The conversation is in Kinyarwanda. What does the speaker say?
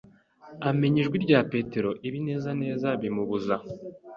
Amenya ijwi rya Petero ibinezaneza bimubuza